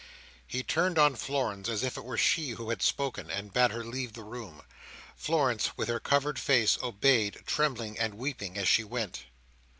He turned on Florence, as if it were she who had spoken, and bade her leave the room. Florence with her covered face obeyed, trembling and weeping as she went.